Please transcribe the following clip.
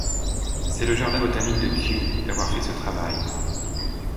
C'est le jardin Botanique de Kew d'avoir fait ce travail.